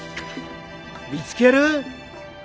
見つける？